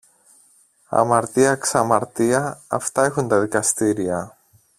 Αμαρτία, ξαμαρτία, αυτά έχουν τα δικαστήρια!